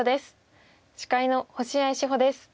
司会の星合志保です。